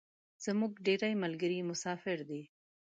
زمونږ ډیری ملګري مسافر دی